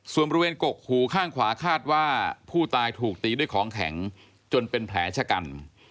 ส่วนบริเวณกกหูข้างขวาคาดว่าผู้ตายถูกตีด้วยของแข็งจนเป็นแผลชะกัน